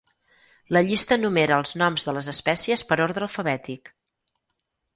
La llista enumera els noms de les espècies per ordre alfabètic.